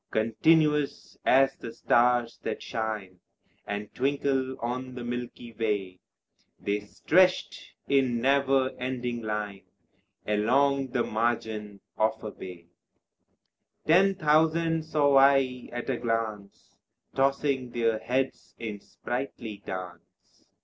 Continuous as the stars that shine And twinkle on the milky way, They stretched in never ending line Along the margin of a bay: Ten thousand saw I at a glance Tossing their heads in sprightly dance.